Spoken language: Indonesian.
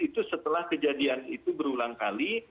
itu setelah kejadian itu berulang kali